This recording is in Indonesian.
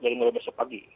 jadi mulai besok pagi